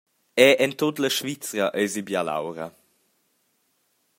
Era en tut la Svizra eisi bialaura.